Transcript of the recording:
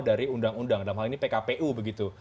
dari undang undang dalam hal ini pkpu begitu